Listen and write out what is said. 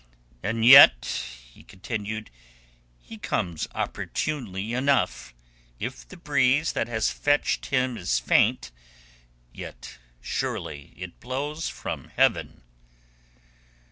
"And yet," he continued, "he comes opportunely enough. If the breeze that has fetched him is faint, yet surely it blows from Heaven."